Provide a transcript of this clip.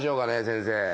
先生。